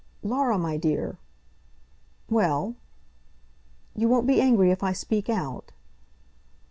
"Laura, my dear " "Well." "You won't be angry if I speak out?"